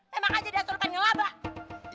memang aja diatur pengen labah